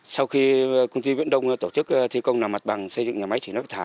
sau khi công ty viễn đông tổ chức thi công nằm mặt bằng xây dựng nhà máy